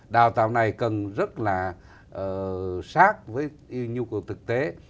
đào tạo này cần rất là sát với nhu cầu thực tế